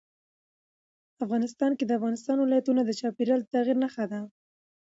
افغانستان کې د افغانستان ولايتونه د چاپېریال د تغیر نښه ده.